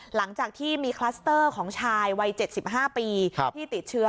หลังจากที่มีคลัสเตอร์ของชายวัย๗๕ปีที่ติดเชื้อ